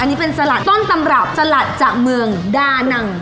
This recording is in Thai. อันนี้เป็นสละต้นตำรับสลัดจากเมืองดานัง